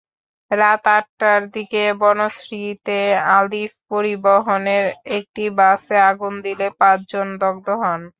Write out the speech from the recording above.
রাত আটটার দিকে বনশ্রীতে আলিফ পরিবহনের একটি বাসে আগুন দিলে পাঁচজন দগ্ধ হন।